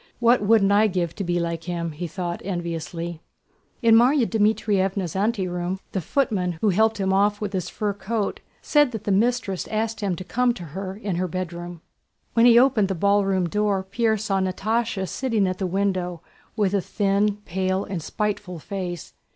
What wouldn't I give to be like him!" he thought enviously. In Márya Dmítrievna's anteroom the footman who helped him off with his fur coat said that the mistress asked him to come to her bedroom. When he opened the ballroom door Pierre saw Natásha sitting at the window, with a thin, pale, and spiteful face.